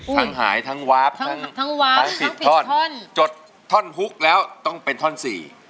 หายทั้งวาบทั้งวาบทั้ง๑๐ท่อนท่อนจดท่อนฮุกแล้วต้องเป็นท่อนสี่